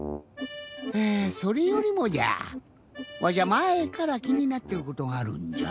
それよりもじゃわしゃまえからきになってることがあるんじゃ。